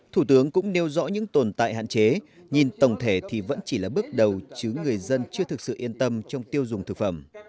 thủ tướng cũng nêu rõ những tồn tại hạn chế nhìn tổng thể thì vẫn chỉ là bước đầu chứ người dân chưa thực sự yên tâm trong tiêu dùng thực phẩm